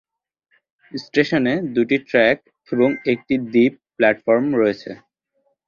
স্টেশনে দুটি ট্র্যাক এবং একটি দ্বীপ প্ল্যাটফর্ম রয়েছে।